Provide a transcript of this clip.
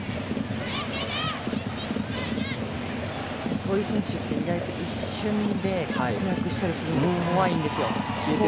ああいう選手って、一瞬で活躍したりするので怖いんですよ。